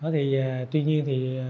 thì tuy nhiên